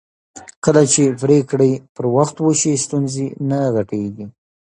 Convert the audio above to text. کله چې پرېکړې پر وخت وشي ستونزې نه غټېږي